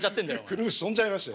くるぶし飛んじゃいましたよ。